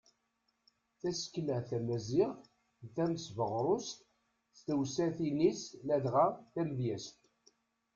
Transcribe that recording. Tasekla tamaziɣt d tamesbeɣrut s tewsatin-is ladɣa tamedyazt.